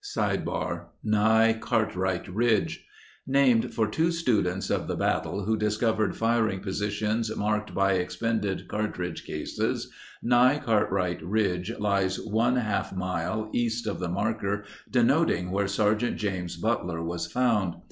103 © Nye Cartwright Ridge Named for two students of the battle who discovered firing positions marked by expended cartridge cases, Nye Cartwright Ridge lies one half mile east of the marker denoting where Sgt. James Butler was found.